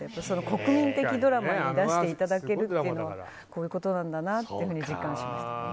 国民的ドラマに出していただけるっていうのはこういうことなんだなって実感しましたね。